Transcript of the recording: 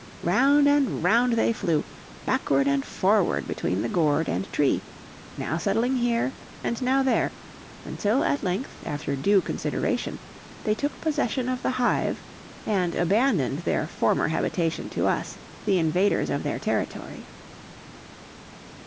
Round and round they flew, backward and forward between the gourd and tree, now settling here and now there, until, at length, after due consideration, they took possession of the hive and abandoned their former habitation to us, the invaders of their territory.